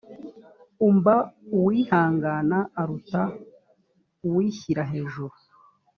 umb uwihangana aruta uwishyira hejuru